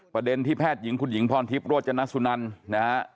ประเด็นที่แพทย์หญิงคุณหญิงพรทิพย์โรจนสุนันนะฮะ